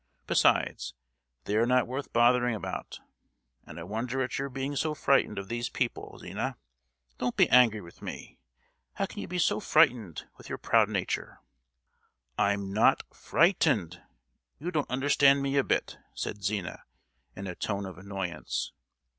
Besides, they are not worth bothering about, and I wonder at your being so frightened of these people, Zina. Don't be angry with me! how can you be so frightened, with your proud nature?" "I'm not frightened; you don't understand me a bit!" said Zina, in a tone of annoyance.